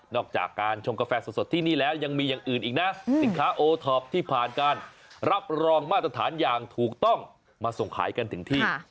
จากการชงกาแฟสดที่นี่แล้วยังมีอย่างอื่นอีกนะสินค้าโอท็อปที่ผ่านการรับรองมาตรฐานอย่างถูกต้องมาส่งขายกันถึงที่